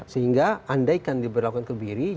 sehingga andaikan diberlakukan kebiri